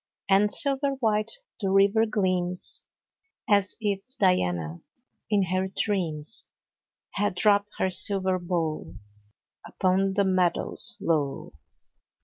5 And silver white the river gleams, As if Diana, in her dreams, • Had dropt her silver bow Upon the meadows low.